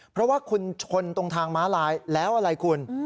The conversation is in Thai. เพราะว่าคุณชนตรงทางม้าลายแล้วอะไรคุณ